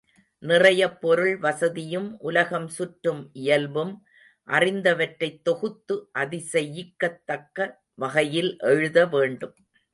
நிறைய பொருள் வசதியும் உலகம் சுற்றும் இயல்பும் அறிந்தவற்றைத் தொகுத்து அதிசயிக்கத்தக்க வகையில் எழுத வேண்டும்.